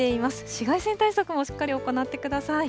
紫外線対策もしっかり行ってください。